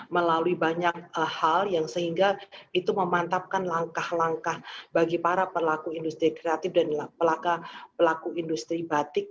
melalui banyak hal yang sehingga itu memantapkan langkah langkah bagi para pelaku industri kreatif dan pelaku industri batik